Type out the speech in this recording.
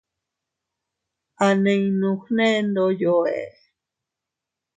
A ninnu gne ndoyo ee.